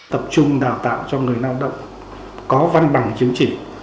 tập trung đào tạo cho người lao động có văn bằng chính trị